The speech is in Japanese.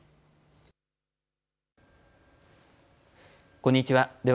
こんにちは。